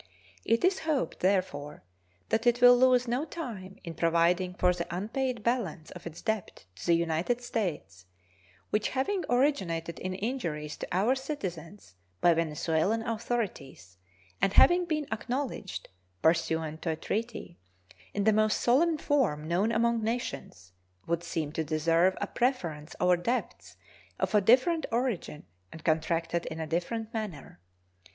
It is hoped, therefore, that it will lose no time in providing for the unpaid balance of its debt to the United States, which, having originated in injuries to our citizens by Venezuelan authorities, and having been acknowledged, pursuant to a treaty, in the most solemn form known among nations, would seem to deserve a preference over debts of a different origin and contracted in a different manner.